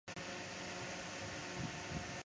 鞘山芎为伞形科山芎属的植物。